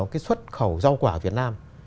cái xuất khẩu rau quả việt nam